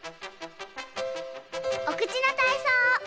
おくちのたいそう。